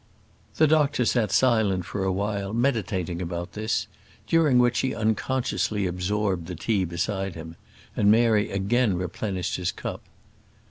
The doctor sat silent for a while meditating about this, during which he unconsciously absorbed the tea beside him; and Mary again replenished his cup.